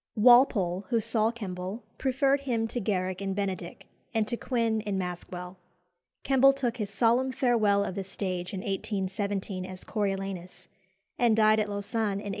Walpole, who saw Kemble, preferred him to Garrick in Benedick, and to Quin in Maskwell. Kemble took his solemn farewell of the stage in 1817 as Coriolanus, and died at Lausanne in 1823.